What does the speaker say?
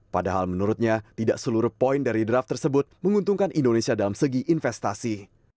padahal menurutnya tidak seluruh poin dari draft tersebut menguntungkan indonesia dalam segi investasi